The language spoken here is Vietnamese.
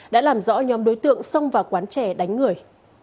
đã làm rõ nhóm đối tượng xông vào quán trẻ đánh người